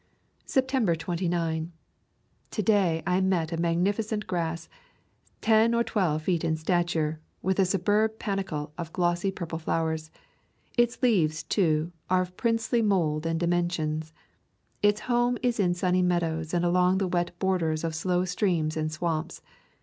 September 29. To day I met a magnificent grass, ten or twelve feet in stature, with a superb panicle of glossy purple flowers. Its leaves, too, are of princely mould and dimen sions. Its home is in sunny meadows and along the wet borders of slow streams and swamps.